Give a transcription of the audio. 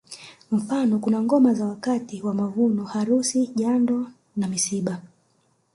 Mfano kuna ngoma za wakati wa mavuno harusi jando na msibani